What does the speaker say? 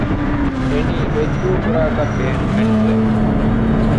އެނީ ގޮތްދޫކުރާކަށް ބޭނުމެއް ނުވެ